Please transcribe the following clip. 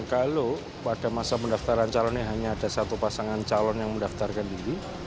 kalau pada masa pendaftaran calonnya hanya ada satu pasangan calon yang mendaftarkan diri